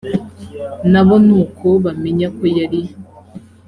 na bo nuko bamenya ko yari